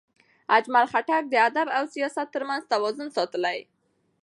اجمل خټک د ادب او سیاست ترمنځ توازن ساتلی.